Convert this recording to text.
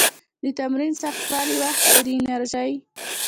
د تمرین سختوالي، وخت او د انرژي